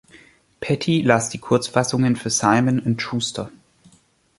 Petty las die Kurzfassungen für Simon und Schuster.